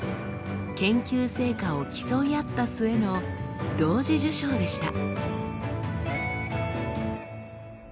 研究成果を競い合った末の同時受賞でした。